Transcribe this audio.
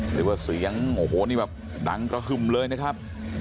เรียกว่าเสียงโอ้โหนี่แบบดังกระหึ่มเลยนะครับ